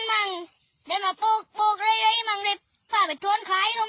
ไหนไหนก่อนโควิดไม่ได้กับมาไม่ได้อื้ม